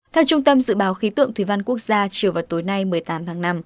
theo trung tâm dự báo khí tượng thủy văn quốc gia chiều vào tối nay một mươi tám tháng năm